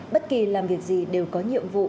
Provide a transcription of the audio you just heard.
bất kỳ làm việc gì đều có nhiệm vụ